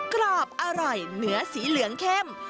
กรอบอร่อยเนื้อสีเหลืองเข้ม